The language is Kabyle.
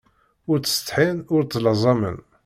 Ur ttsethin ur ttlazamen.